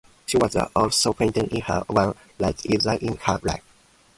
She was also a painter in her own right earlier in her life.